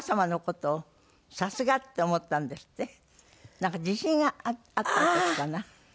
なんか地震があった時かな？